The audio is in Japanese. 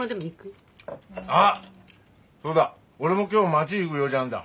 あっそうだ俺も今日町行ぐ用事あんだ。